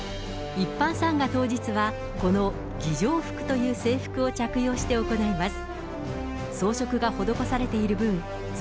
一般参賀当日は、この儀じょう服という制服を着用して行います。